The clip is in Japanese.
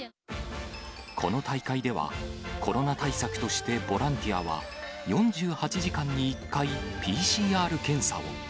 この大会では、コロナ対策としてボランティアは４８時間に１回、ＰＣＲ検査を。